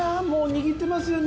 握ってますよ